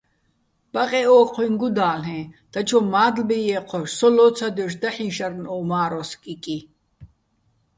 ბაყეჸ ო́ჴუიჼ გუდა́ლ'ეჼ, დაჩო მა́დლბი ჲე́ჴოშ, სო ლო́ცადჲოშ დაჰ̦იჼ შარნ ო მა́როს კიკი.